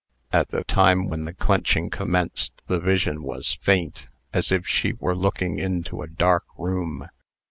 At the time when the clenching commenced, the vision was faint, as if she were looking into a dark room.